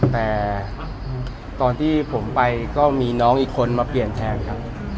แต่ตอนที่ผมไปก็มีน้องอีกคนมาเปลี่ยนแทนครับ